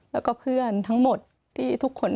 แล้วก็เพื่อนทั้งหมดที่ทุกคน